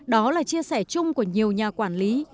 đó là chia sẻ chung của nhiều nhà quản lý